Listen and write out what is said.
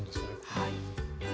はい。